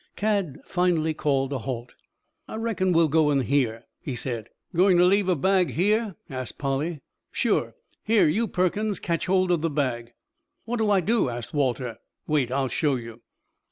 Cad finally called a halt. "I reckon we'll go in here," he said. "Going to leave a bag here?" asked Polly. "Sure. Here you, Perkins, catch bold of the bag." "What do I do?" asked Walter. "Wait; I'll show you."